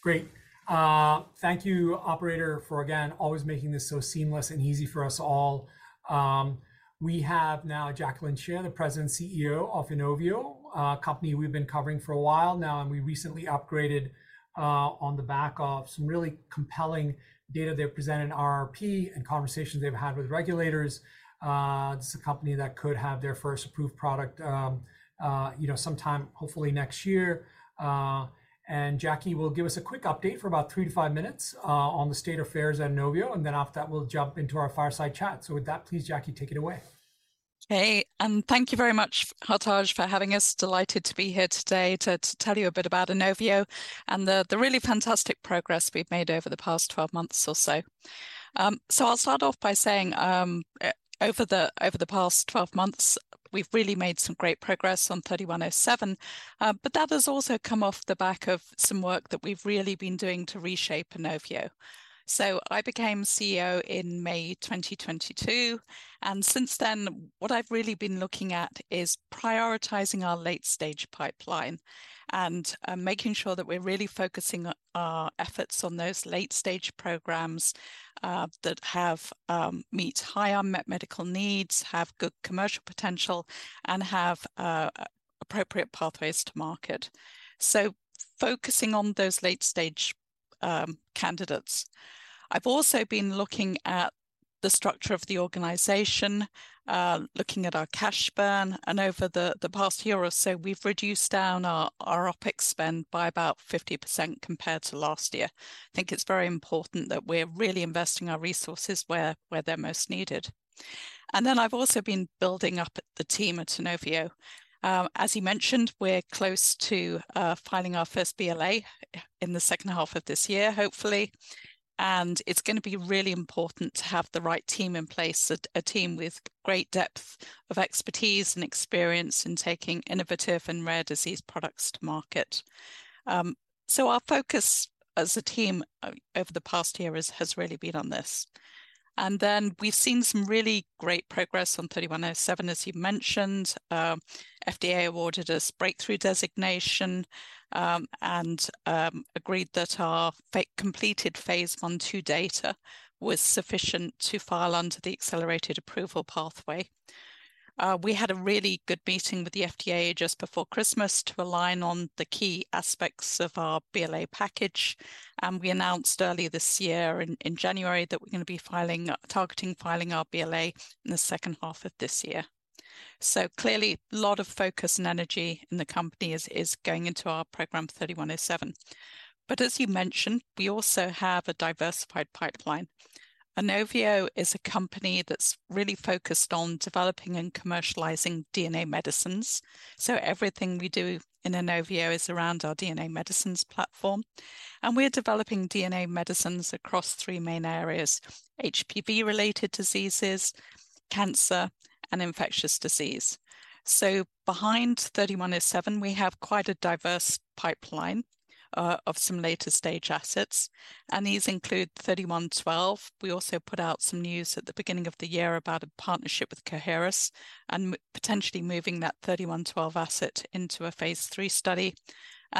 Great. Thank you, operator, for, again, always making this so seamless and easy for us all. We have now Jacqueline Shea, the President and CEO of Inovio, a company we've been covering for a while now, and we recently upgraded, on the back of some really compelling data they present in RRP and conversations they've had with regulators. This is a company that could have their first approved product, sometime, hopefully, next year. Jackie will give us a quick update for about 3 to 5 minutes, on the state affairs at Inovio, and then after that we'll jump into our fireside chat. With that, please, Jackie, take it away. Hey, thank you very much, Hartaj, for having us. Delighted to be here today to tell you a bit about Inovio and the really fantastic progress we've made over the past 12 months or so. I'll start off by saying, over the past 12 months we've really made some great progress on 3107. That has also come off the back of some work that we've really been doing to reshape Inovio. So I became CEO in May 2022. Since then, what I've really been looking at is prioritizing our late stage pipeline. Making sure that we're really focusing our efforts on those late stage programs, that have, meet higher medical needs, have good commercial potential, and have, appropriate pathways to market. So focusing on those late stage, candidates. I've also been looking at the structure of the organization, looking at our cash burn, and over the past year or so we've reduced down our OpEx spend by about 50% compared to last year. I think it's very important that we're really investing our resources where they're most needed. I've also been building up the team at Inovio. As you mentioned, we're close to filing our first BLA in the second half of this year, hopefully. And it's going to be really important to have the right team in place, a team with great depth of expertise and experience in taking innovative and rare disease products to market. So our focus as a team over the past year has really been on this. And then we've seen some really great progress on 3107, as you mentioned. FDA awarded us breakthrough designation. Agreed that our completed phase 1/2 data was sufficient to file under the accelerated approval pathway. We had a really good meeting with the FDA just before Christmas to align on the key aspects of our BLA package. We announced early this year in January that we're going to be filing, targeting filing our BLA in the second half of this year. Clearly, a lot of focus and energy in the company is going into our program 3107. But as you mentioned, we also have a diversified pipeline. Inovio is a company that's really focused on developing and commercializing DNA medicines. Everything we do in Inovio is around our DNA medicines platform. We're developing DNA medicines across three main areas: HPV-related diseases, cancer, and infectious disease. Behind 3107, we have quite a diverse pipeline of some later stage assets. These include 3112. We also put out some news at the beginning of the year about a partnership with Coherus and potentially moving that 3112 asset into a phase 3 study.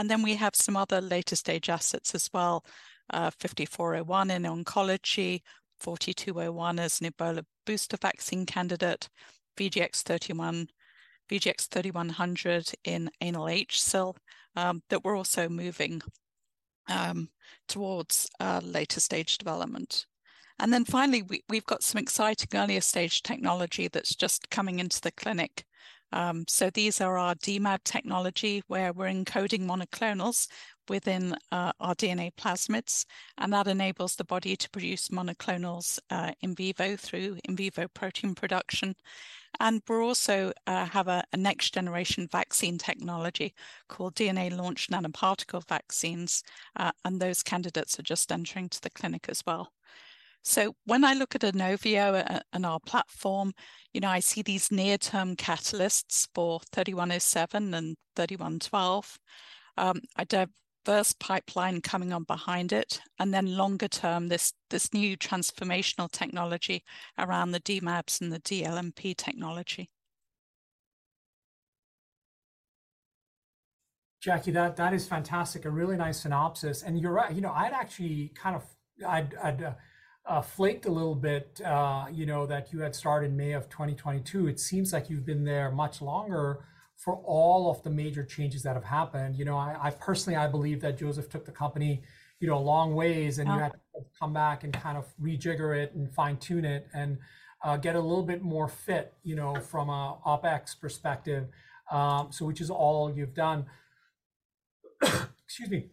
Then we have some other later stage assets as well. 5401 in oncology, 4201 as an Ebola booster vaccine candidate, VGX-3100 in anal HSIL, that we're also moving towards later stage development. Then finally, we've got some exciting earlier stage technology that's just coming into the clinic. So these are our dMAb technology, where we're encoding monoclonals within our DNA plasmids. And that enables the body to produce monoclonals in vivo through in vivo protein production. And we're also have a next generation vaccine technology called DNA launch nanoparticle vaccines. And those candidates are just entering to the clinic as well. So when I look at Inovio and our platform, I see these near-term catalysts for 3107 and 3112. A diverse pipeline coming on behind it, and then longer term, this this new transformational technology around the dMAbs and the dLNP technology. Jackie, that that is fantastic, a really nice synopsis. You're right, I'd actually flaked a little bit, that you had started in May of 2022. It seems like you've been there much longer for all of the major changes that have happened. I personally, I believe that Joseph took the company, you know, a long ways, and you had to come back and kind of rejigger it and fine-tune it and, get a little bit more fit, from an OpEx perspective. Which is all you've done. Excuse me.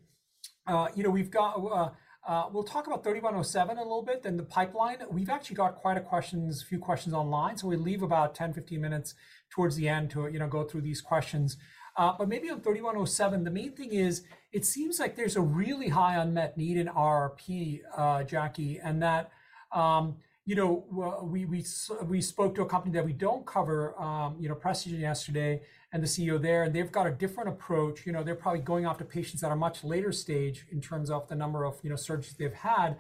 You know, we've got, we'll talk about 3107 a little bit, then the pipeline. We've actually got quite a few questions online, we leave about 10, 15 minutes towards the end to go through these questions. But maybe on 3107, the main thing is it seems like there's a really high unmet need in RRP, Jackie, and that, we spoke to a company that we don't cover, Precigen yesterday and the CEO there, and they've got a different approach. They're probably going after patients that are much later stage in terms of the number of surgeries they've had.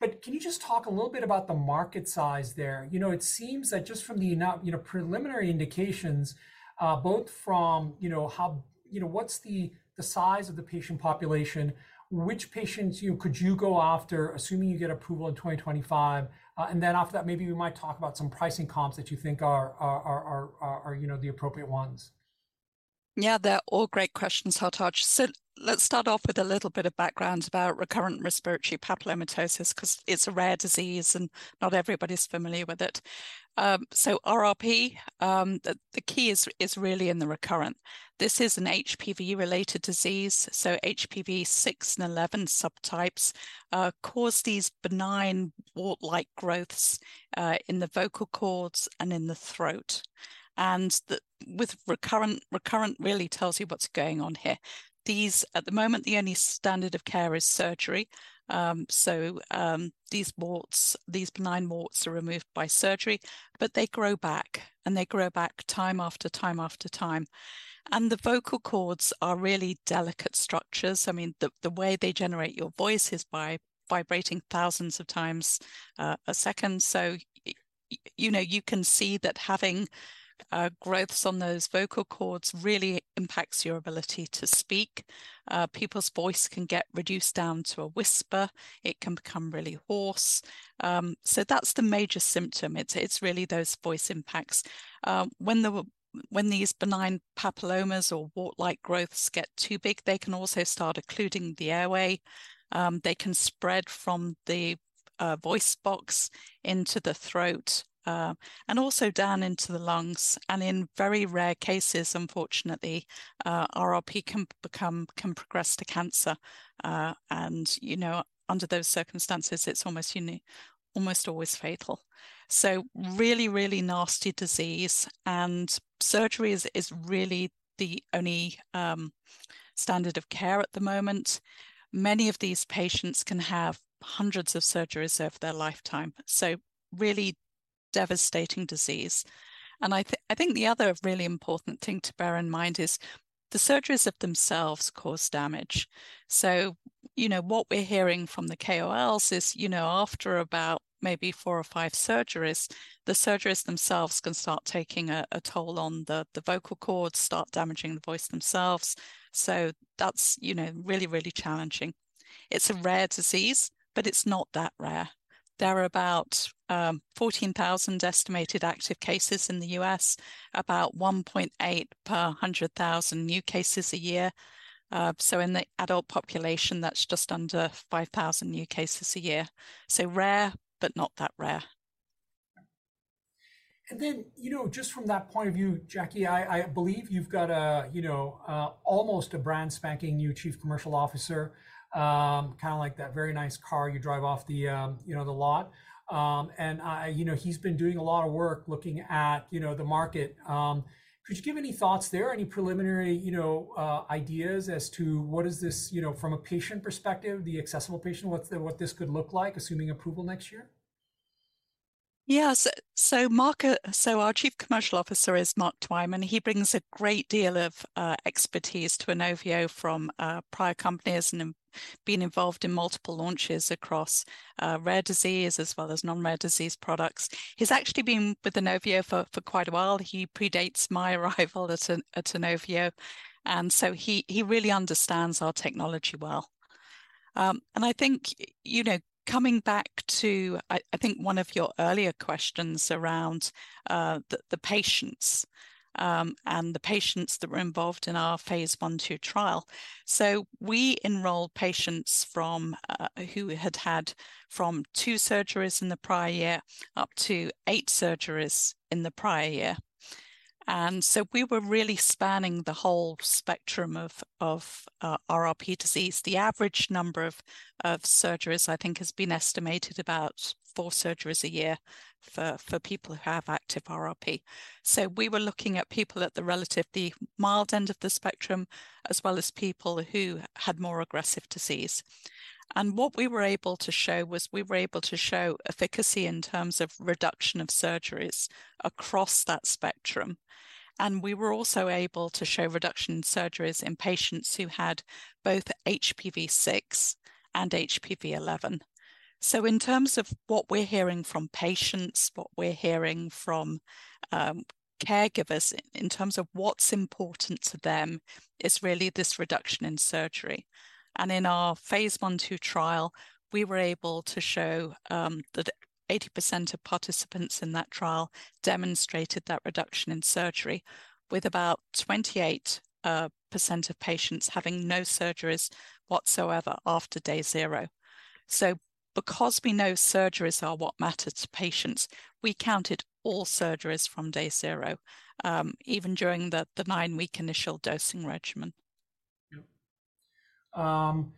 But can you just talk a little bit about the market size there? It seems that just from the preliminary indications, both from how what's the size of the patient population, which patients could you go after, assuming you get approval in 2025? Then after that, maybe we might talk about some pricing comps that you think are, you know, the appropriate ones. Yeah, they're all great questions, Hartaj. So let's start off with a little bit of background about recurrent respiratory papillomatosis, because it's a rare disease and not everybody's familiar with it. So RRP, the key is really in the recurrent. This is an HPV-related disease. So HPV 6 and 11 subtypes cause these benign wart-like growths in the vocal cords and in the throat. And with recurrent really tells you what's going on here. These, at the moment, the only standard of care is surgery. So these warts, these benign warts are removed by surgery, but they grow back and they grow back time after time after time. And the vocal cords are really delicate structures. I mean, the way they generate your voice is by vibrating thousands of times a second. So you can see that having growths on those vocal cords really impacts your ability to speak. People's voice can get reduced down to a whisper. It can become really hoarse. So that's the major symptom. It's really those voice impacts. When these benign papillomas or wart-like growths get too big, they can also start occluding the airway. They can spread from the voice box into the throat, and also down into the lungs. And in very rare cases, unfortunately, RRP can progress to cancer. And under those circumstances, it's almost unique, almost always fatal. So really, really nasty disease, and surgery is really the only standard of care at the moment. Many of these patients can have hundreds of surgeries over their lifetime. So really devastating disease. I think I think the other really important thing to bear in mind is the surgeries of themselves cause damage. So, you know, what we're hearing from the KOLs is, you know, after about maybe four or five surgeries, the surgeries themselves can start taking a toll on the vocal cords, start damaging the voice themselves. So that's, you know, really, really challenging. It's a rare disease, but it's not that rare. There are about 14,000 estimated active cases in the US, about 1.8 per 100,000 new cases a year. So in the adult population, that's just under 5,000 new cases a year. So rare, but not that rare. And then just from that point of view, Jackie, I believe you've got almost a brand spanking new chief commercial officer, kind of like that very nice car you drive off the lot. He's been doing a lot of work looking at the market. Could you give any thoughts there, any preliminary, ideas as to what is this, from a patient perspective, the accessible patient, what's the what this could look like, assuming approval next year? Yeah, so Mark, so our Chief Commercial Officer is Mark Twyman, and he brings a great deal of expertise to Inovio from prior companies and being involved in multiple launches across rare disease as well as non-rare disease products. He's actually been with Inovio for quite a while. He predates my arrival at Inovio. So he really understands our technology well. And I think coming back to, I think one of your earlier questions around the patients and the patients that were involved in our phase 1-2 trial. So we enrolled patients from who had had from 2 surgeries in the prior year up to 8 surgeries in the prior year. So we were really spanning the whole spectrum of RRP disease. The average number of surgeries, I think, has been estimated about 4 surgeries a year for people who have active RRP. So we were looking at people at the relatively mild end of the spectrum, as well as people who had more aggressive disease. And what we were able to show was we were able to show efficacy in terms of reduction of surgeries across that spectrum. And we were also able to show reduction in surgeries in patients who had both HPV-6 and HPV-11. So in terms of what we're hearing from patients, what we're hearing from caregivers in terms of what's important to them is really this reduction in surgery. And in our phase 1/2 trial, we were able to show that 80% of participants in that trial demonstrated that reduction in surgery. With about 28% of patients having no surgeries whatsoever after day zero. So because we know surgeries are what matters to patients, we counted all surgeries from day zero, even during the nine-week initial dosing regimen. Jackie,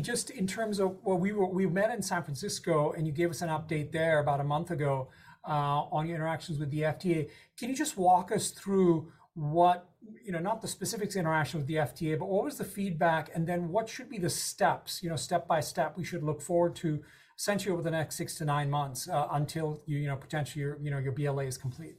just in terms of, well, we met in San Francisco and you gave us an update there about a month ago, on your interactions with the FDA. Can you just walk us through what not the specifics of interaction with the FDA, but what was the feedback and then what should be the steps, step by step we should look forward to essentially over the next 6-9 months, until you potentially your BLA is complete?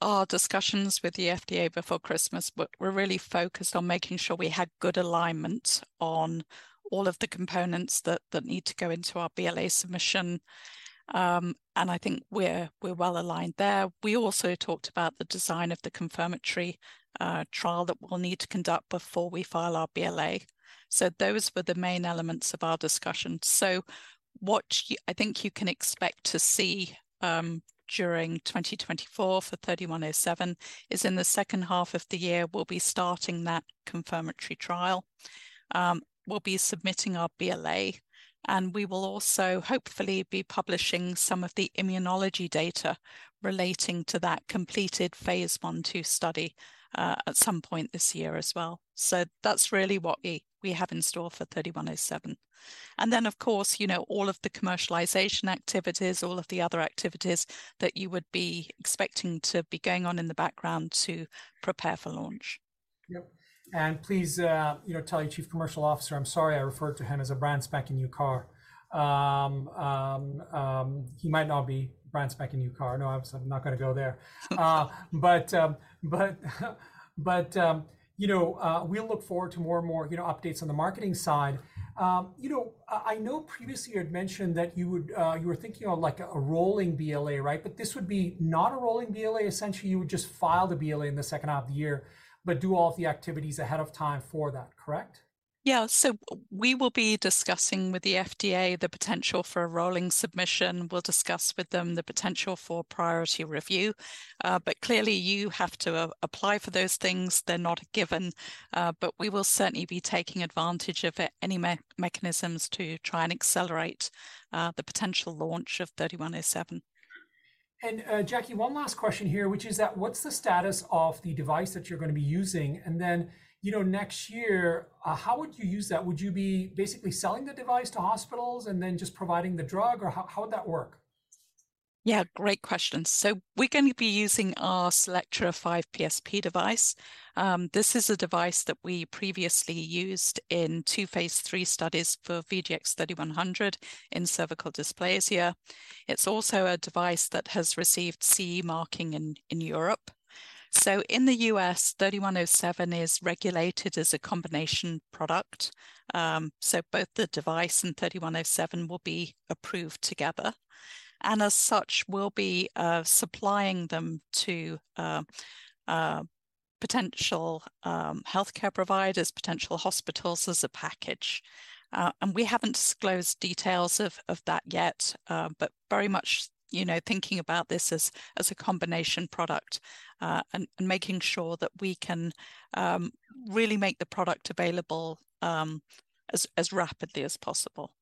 Our discussions with the FDA before Christmas, we're really focused on making sure we had good alignment on all of the components that need to go into our BLA submission. And I think we're well aligned there. We also talked about the design of the confirmatory trial that we'll need to conduct before we file our BLA. So those were the main elements of our discussion. So what I think you can expect to see during 2024 for 3107 is in the second half of the year we'll be starting that confirmatory trial. We'll be submitting our BLA. We will also hopefully be publishing some of the immunology data relating to that completed phase 1/2 study at some point this year as well. So that's really what we have in store for 3107.And then, of course, you know, all of the commercialization activities, all of the other activities that you would be expecting to be going on in the background to prepare for launch. Please, tell your Chief Commercial Officer, I'm sorry, I referred to him as a brand spanking new car. He might not be a brand spanking new car. No, I'm not going to go there. We'll look forward to more and more updates on the marketing side. I know previously you had mentioned that you would, you were thinking of like a rolling BLA, right? But this would be not a rolling BLA essentially, you would just file the BLA in the second half of the year. But do all of the activities ahead of time for that, correct? Yeah, so we will be discussing with the FDA the potential for a rolling submission. We'll discuss with them the potential for priority review. But clearly you have to apply for those things. They're not a given. But we will certainly be taking advantage of any mechanisms to try and accelerate the potential launch of 3107. Jackie, one last question here, which is that what's the status of the device that you're going to be using? Then next year, how would you use that? Would you be basically selling the device to hospitals and then just providing the drug, or how would that work? Yeah, great question. So we're going to be using our CELLECTRA 5PSP device. This is a device that we previously used in two phase three studies for VGX-3100 in cervical dysplasia. It's also a device that has received CE marking in Europe. So in the US, INO-3107 is regulated as a combination product. So both the device and INO-3107 will be approved together. And as such, we'll be supplying them to potential healthcare providers, potential hospitals as a package. We haven't disclosed details of that yet. But very much, you know, thinking about this as a combination product. And making sure that we can really make the product available as rapidly as possible.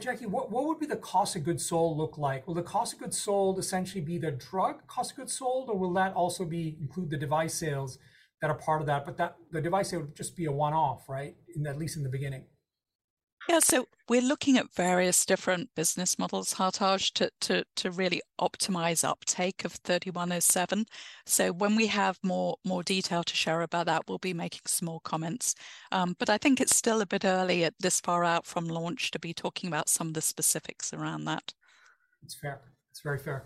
Jackie, what would be the cost of goods sold look like? Will the cost of goods sold essentially be the drug cost of goods sold, or will that also be include the device sales that are part of that? But that the device sale would just be a one-off, right, at least in the beginning. Yeah, so we're looking at various different business models, Hartaj, to really optimize uptake of 3107. So when we have more detail to share about that, we'll be making small comments. But I think it's still a bit early at this far out from launch to be talking about some of the specifics around that. That's fair. That's very fair.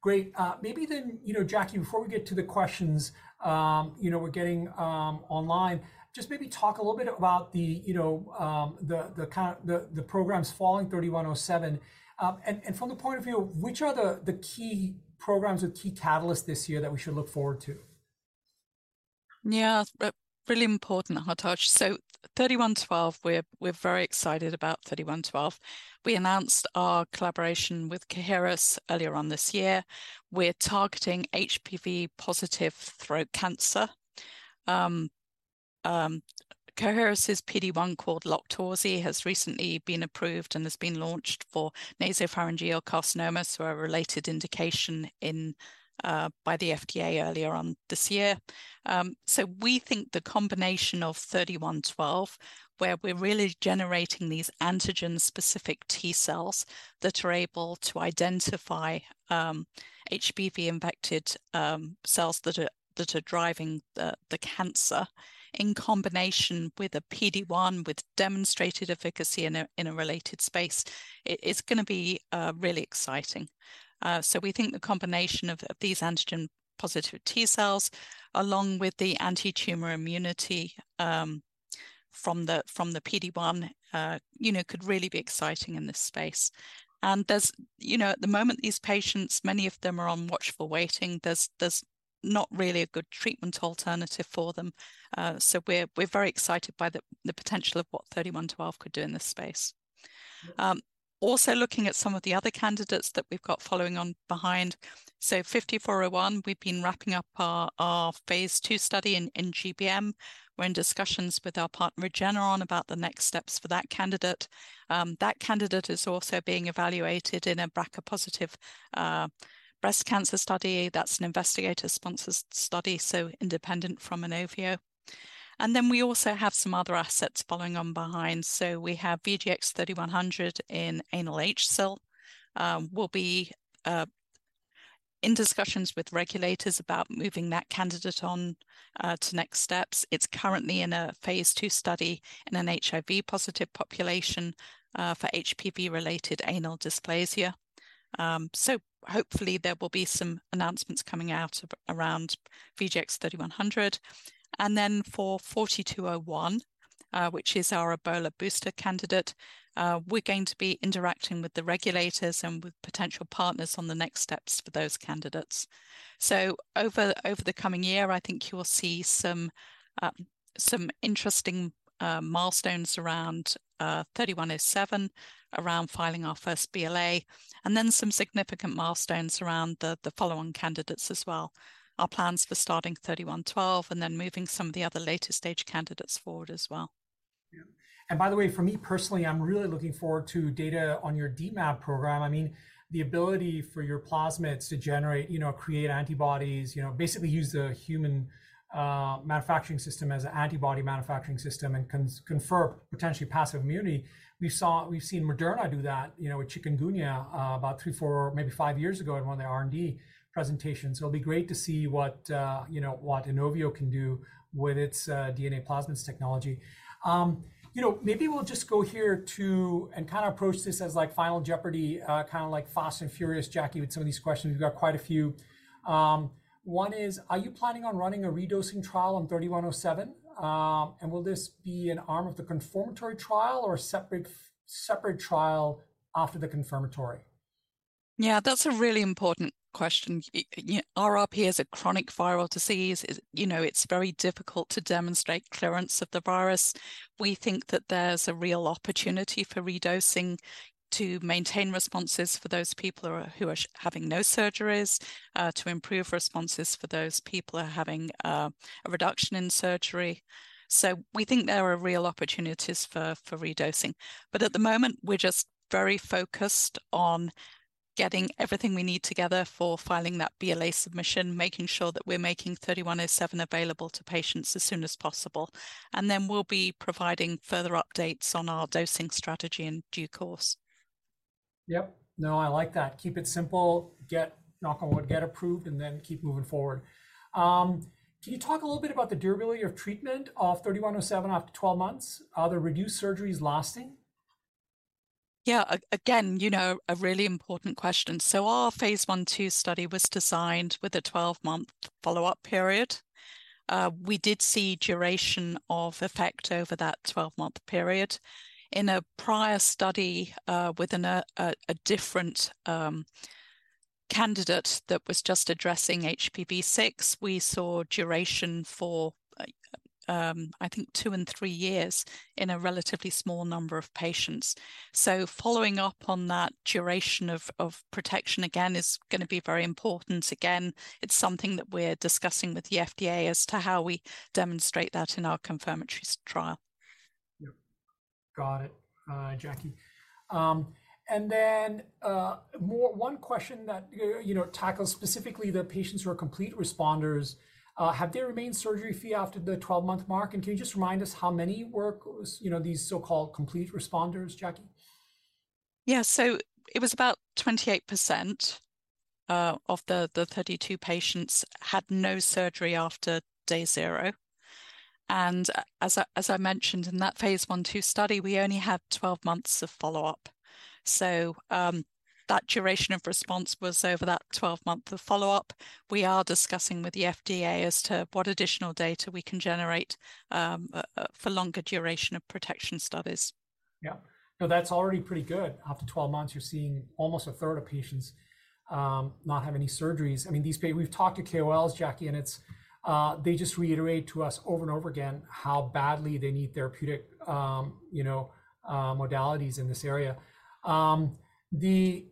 Great. Maybe then Jackie, before we get to the questions we're getting online, just maybe talk a little bit about the kind of the programs following 3107. And from the point of view, which are the key programs or key catalysts this year that we should look forward to? Yeah, really important, Hartaj. So 3112, we're very excited about 3112. We announced our collaboration with Coherus earlier on this year. We're targeting HPV positive throat cancer. Coherus's PD-1 called LOQTORZI has recently been approved and has been launched for nasopharyngeal carcinomas who are a related indication in, by the FDA earlier on this year. So we think the combination of 3112 where we're really generating these antigen-specific T cells that are able to identify, HPV-infected, cells that are driving the cancer. In combination with a PD-1 with demonstrated efficacy in a related space, it's going to be, really exciting. So we think the combination of these antigen-positive T cells along with the anti-tumor immunity, from the PD-1 could really be exciting in this space. There's at the moment these patients, many of them are on watchful waiting. There's not really a good treatment alternative for them. So we're very excited by the potential of what INO-3112 could do in this space. Also looking at some of the other candidates that we've got following on behind. So INO-5401, we've been wrapping up our phase 2 study in GBM. We're in discussions with our partner Regeneron about the next steps for that candidate. That candidate is also being evaluated in a BRCA-positive breast cancer study. That's an investigator-sponsored study, so independent from Inovio. And then we also have some other assets following on behind. So we have VGX-3100 in anal HSIL. We'll be in discussions with regulators about moving that candidate on to next steps. It's currently in a phase 2 study in an HIV-positive population for HPV-related anal dysplasia. So hopefully there will be some announcements coming out around VGX-3100. And then for 4201, which is our Ebola booster candidate, we're going to be interacting with the regulators and with potential partners on the next steps for those candidates. So over over the coming year, I think you'll see some, some interesting milestones around 3107. Around filing our first BLA. And then some significant milestones around the the following candidates as well. Our plans for starting 3112 and then moving some of the other later-stage candidates forward as well. By the way, for me personally, I'm really looking forward to data on your dMAb program. I mean, the ability for your plasmids to generate, create antibodies, basically use the human manufacturing system as an antibody manufacturing system and confer potentially passive immunity. We've seen Moderna do that with chikungunya, about 3, 4, maybe 5 years ago in one of the R&D presentations. So it'll be great to see what, what Inovio can do with its DNA plasmids technology. You know, maybe we'll just go here to and kind of approach this as like Final Jeopardy, kind of like Fast and Furious, Jackie, with some of these questions. We've got quite a few. One is, are you planning on running a redosing trial on 3107? Will this be an arm of the confirmatory trial or a separate trial after the confirmatory? That's a really important question. RRP is a chronic viral disease. It's very difficult to demonstrate clearance of the virus. We think that there's a real opportunity for redosing to maintain responses for those people who are having no surgeries. To improve responses for those people who are having a reduction in surgery. So we think there are real opportunities for redosing. But at the moment, we're just very focused on getting everything we need together for filing that BLA submission, making sure that we're making 3107 available to patients as soon as possible. And then we'll be providing further updates on our dosing strategy in due course. Yep. No, I like that. Keep it simple. Get knock on wood, get approved, and then keep moving forward. Can you talk a little bit about the durability of treatment of 3107 after 12 months? Are the reduced surgeries lasting? Yeah, again, you know, a really important question. So our phase 1/2 study was designed with a 12-month follow-up period. We did see duration of effect over that 12-month period. In a prior study with a different candidate that was just addressing HPV-6, we saw duration for, I think, 2 and 3 years in a relatively small number of patients. So following up on that duration of protection again is going to be very important. Again, it's something that we're discussing with the FDA as to how we demonstrate that in our confirmatory trial. Yeah. Got it, Jackie. Then, one more question that, you know, tackles specifically the patients who are complete responders. Have they remained surgery-free after the 12-month mark? And can you just remind us how many were these so-called complete responders, Jackie? Yeah, so it was about 28% of the 32 patients had no surgery after day zero. As I mentioned in that phase 1/2 study, we only had 12 months of follow-up. So, that duration of response was over that 12-month of follow-up. We are discussing with the FDA as to what additional data we can generate, for longer duration of protection studies. Yeah. No, that's already pretty good. After 12 months, you're seeing almost a third of patients not have any surgeries. I mean, these we've talked to KOLs, Jackie, and it's they just reiterate to us over and over again how badly they need therapeutic, modalities in this area. This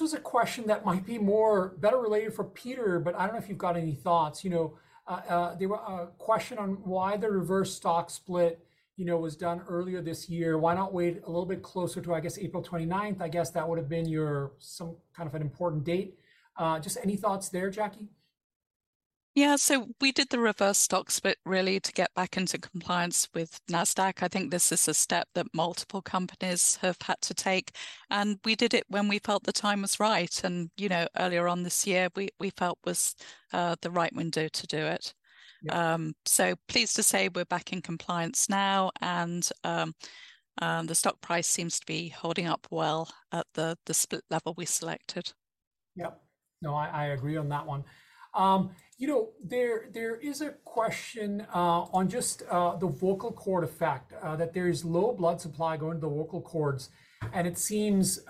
was a question that might be more better related for Peter, but I don't know if you've got any thoughts. There were a question on why the reverse stock split, was done earlier this year. Why not wait a little bit closer to, I guess, April 29th? I guess that would have been your some kind of an important date. Just any thoughts there, Jackie? Yeah, so we did the reverse stock split really to get back into compliance with NASDAQ. I think this is a step that multiple companies have had to take. We did it when we felt the time was right. Earlier on this year, we felt it was the right window to do it. So pleased to say we're back in compliance now and the stock price seems to be holding up well at the split level we selected. Yep. No, I agree on that one. There is a question on just the vocal cord effect, that there is low blood supply going to the vocal cords. And it seems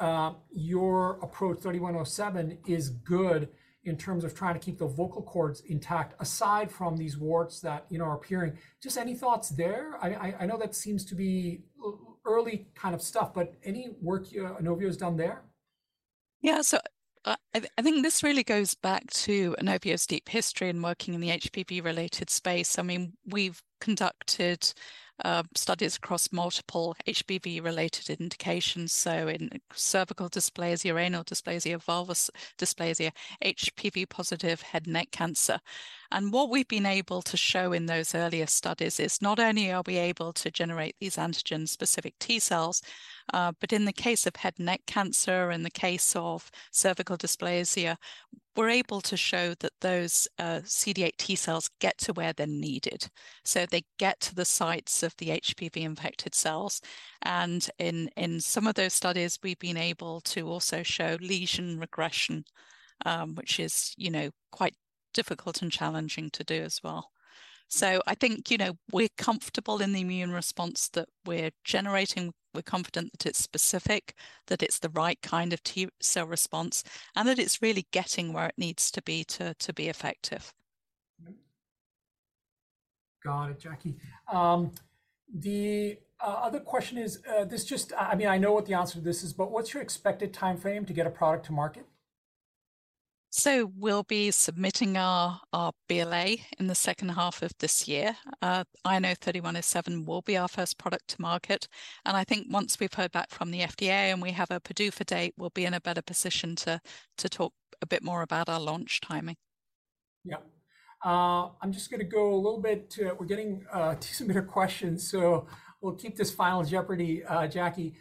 your approach 3107 is good in terms of trying to keep the vocal cords intact aside from these warts that, you know, are appearing. Just any thoughts there? I know that seems to be early kind of stuff, but any work Inovio has done there? Yeah, so I think this really goes back to Inovio's deep history in working in the HPV-related space. I mean, we've conducted studies across multiple HPV-related indications. So in cervical dysplasia, anal dysplasia, vulvar dysplasia, HPV positive head and neck cancer. And what we've been able to show in those earlier studies is not only are we able to generate these antigen-specific T cells, but in the case of head and neck cancer and the case of cervical dysplasia, we're able to show that those CD8 T cells get to where they're needed. So they get to the sites of the HPV-infected cells. In some of those studies, we've been able to also show lesion regression, which is quite difficult and challenging to do as well. So I think we're comfortable in the immune response that we're generating. We're confident that it's specific. That it's the right kind of T cell response. And that it's really getting where it needs to be to be effective. Got it, Jackie. The other question is, I mean I know what the answer to this is, but what's your expected time frame to get a product to market? We'll be submitting our BLA in the second half of this year. I know 3107 will be our first product to market. I think once we've heard back from the FDA and we have a PDUFA date, we'll be in a better position to talk a bit more about our launch timing. Yeah. I'm just going to go a little bit to we're getting some better questions, so we'll keep this Final Jeopardy, Jackie.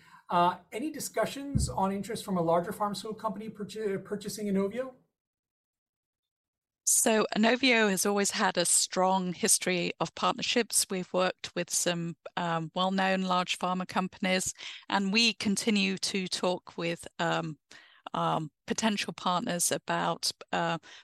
Any discussions on interest from a larger pharmaceutical company purchasing Inovio? Inovio has always had a strong history of partnerships. We've worked with some well-known large pharma companies. We continue to talk with potential partners about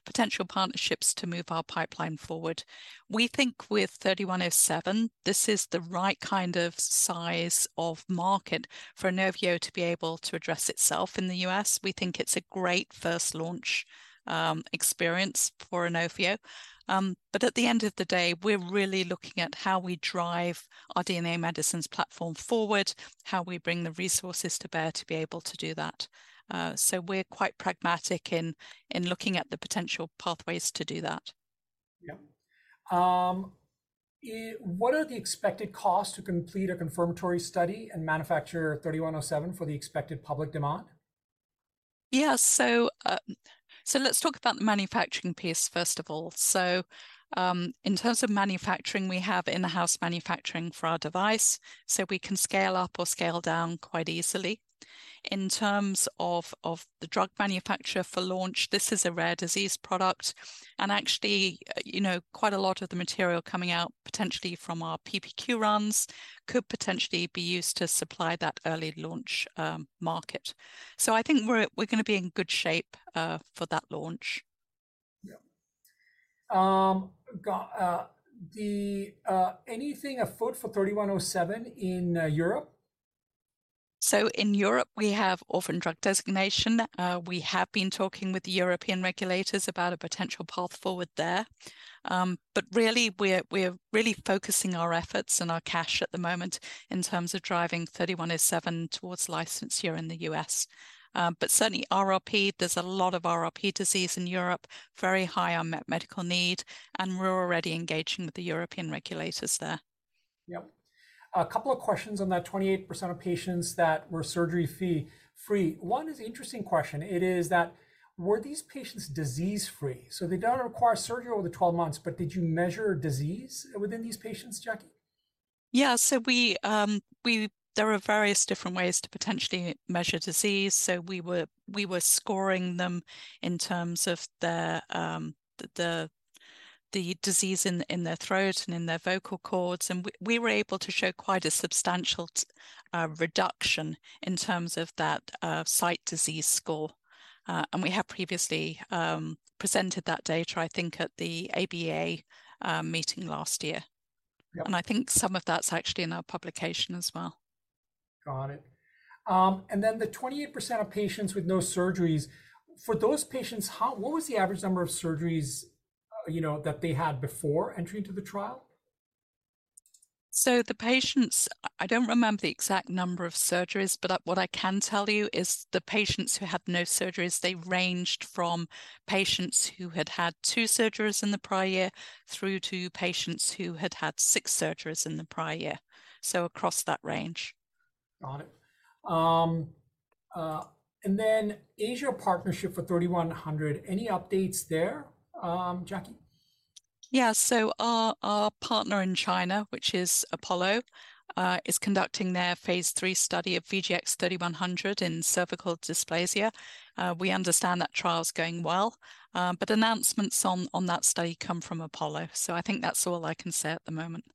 potential partnerships to move our pipeline forward. We think with 3107, this is the right kind of size of market for Inovio to be able to address itself in the US We think it's a great first launch experience for Inovio. But at the end of the day, we're really looking at how we drive our DNA medicines platform forward, how we bring the resources to bear to be able to do that. So we're quite pragmatic in looking at the potential pathways to do that. Yeah. What are the expected costs to complete a confirmatory study and manufacture 3107 for the expected public demand? Yeah, so let's talk about the manufacturing piece first of all. So, in terms of manufacturing, we have in-house manufacturing for our device. So we can scale up or scale down quite easily. In terms of the drug manufacturer for launch, this is a rare disease product. And actually, you know, quite a lot of the material coming out potentially from our PPQ runs could potentially be used to supply that early launch, market. So I think we're going to be in good shape, for that launch. Yeah, anything afoot for 3107 in Europe? So in Europe, we have Orphan Drug Designation. We have been talking with the European regulators about a potential path forward there. But really, we're really focusing our efforts and our cash at the moment in terms of driving 3107 towards license here in the US, but certainly RRP, there's a lot of RRP disease in Europe, very high on medical need. And we're already engaging with the European regulators there. A couple of questions on that 28% of patients that were surgery-free. One is an interesting question. It is that were these patients disease-free? So they don't require surgery over the 12 months, but did you measure disease within these patients, Jackie? Yeah, so there are various different ways to potentially measure disease. So we were scoring them in terms of their, the disease in their throat and in their vocal cords. And we were able to show quite a substantial reduction in terms of that site disease score. And we have previously presented that data, I think, at the ABEA meeting last year. I think some of that's actually in our publication as well. Got it. And then the 28% of patients with no surgeries. For those patients, how what was the average number of surgeries, that they had before entering into the trial? So the patients, I don't remember the exact number of surgeries, but what I can tell you is the patients who had no surgeries; they ranged from patients who had had 2 surgeries in the prior year through to patients who had had 6 surgeries in the prior year. So across that range. Got it. And then Asia partnership for 3100, any updates there, Jackie? Yeah, so our partner in China, which is Apollo, is conducting their phase three study of VGX-3100 in cervical dysplasia. We understand that trial's going well. But announcements on that study come from Apollo. So I think that's all I can say at the moment.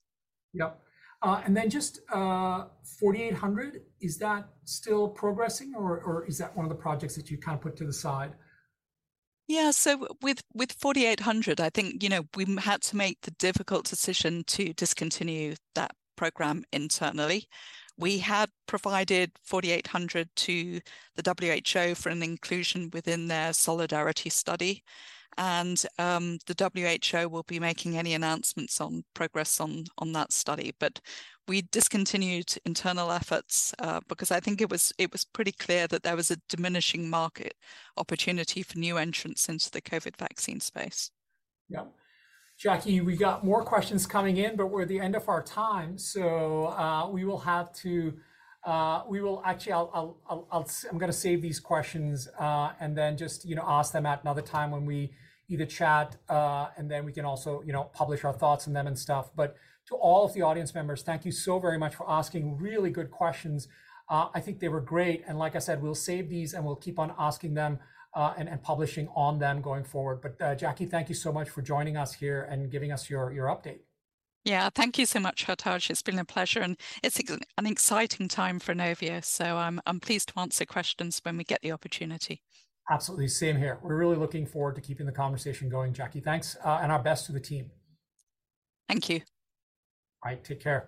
Yep. And then just, 4800, is that still progressing or is that one of the projects that you kind of put to the side? Yeah, so with 4800, I think, we had to make the difficult decision to discontinue that program internally. We have provided 4800 to the WHO for an inclusion within their Solidarity study. And, the WHO will be making any announcements on progress on that study. But we discontinued internal efforts, because I think it was pretty clear that there was a diminishing market opportunity for new entrants into the COVID vaccine space. Jackie, we got more questions coming in, but we're at the end of our time, so we will have to. Actually, I'm going to save these questions, and then just ask them at another time when we either chat, and then we can also publish our thoughts on them and stuff. But to all of the audience members, thank you so very much for asking really good questions. I think they were great. And like I said, we'll save these and we'll keep on asking them, and publishing on them going forward. But, Jackie, thank you so much for joining us here and giving us your update. Yeah, thank you so much, Hartaj. It's been a pleasure. It's an exciting time for Inovio, so I'm pleased to answer questions when we get the opportunity. Absolutely. Same here. We're really looking forward to keeping the conversation going, Jackie. Thanks, and our best to the team. Thank you. All right. Take care.